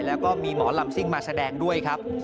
แล้วก็มีหมอลำซิ่งมาแสดงด้วยครับ